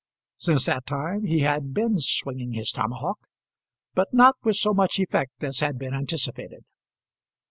Since that time he had been swinging his tomahawk, but not with so much effect as had been anticipated.